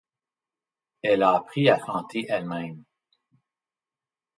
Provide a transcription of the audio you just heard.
Elle a appris à chanter elle-même.